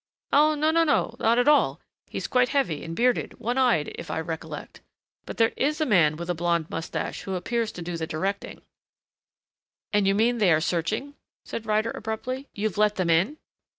"Oh, no, no, not at all. He is quite heavy and bearded one eyed, if I recollect. But there is a man with a blond mustache who appears to do the directing " "And you mean they are searching?" said Ryder abruptly. "You've let them in